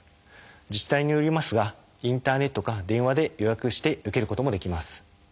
自治体によりますがインターネットか電話で予約して受けることもできます。